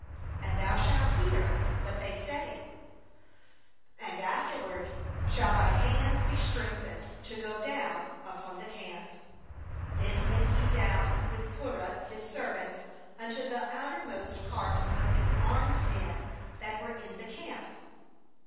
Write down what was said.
uAnd thou shalt hear what they say; and afterward shall thy hands be strengthened to go down upon the camp/ ^ Then went he down with Purah his servant unto the outermost Dart of the armed men that were in ;he camp.